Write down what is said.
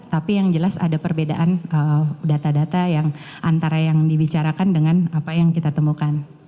tapi yang jelas ada perbedaan data data yang antara yang dibicarakan dengan apa yang kita temukan